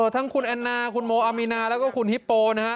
ทั้งคุณแอนนาคุณโมอามีนาแล้วก็คุณฮิปโปนะฮะ